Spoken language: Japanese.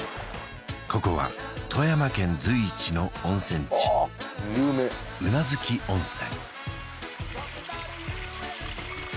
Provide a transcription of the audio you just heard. ここは富山県随一の温泉地宇奈月温泉